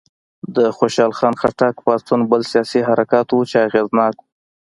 د خوشحال خان خټک پاڅون بل سیاسي حرکت و چې اغېزناک و.